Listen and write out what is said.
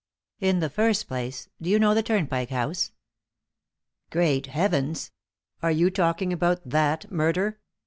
In the first place, do you know the Turnpike House?" "Great Heavens! Are you talking about that murder?"